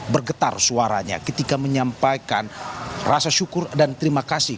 bergetar suaranya ketika menyampaikan rasa syukur dan terima kasih